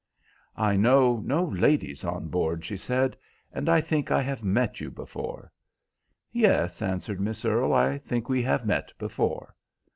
"I know no ladies on board," she said, "and I think I have met you before." "Yes," answered Miss Earle, "I think we have met before."